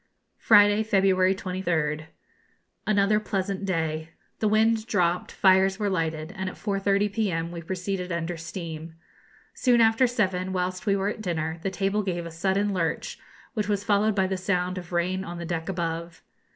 Friday, February 23rd. Another pleasant day. The wind dropped, fires were lighted, and at 4.30 p.m. we proceeded under steam. Soon after seven, whilst we were at dinner, the table gave a sudden lurch, which was followed by the sound of rain on the deck above.